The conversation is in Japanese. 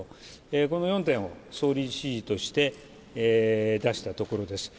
この４点を総理指示として出したところです。